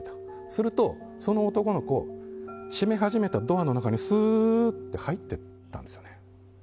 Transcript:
すると、その男の子閉め始めたドアの中にすーって入っていったんですよね。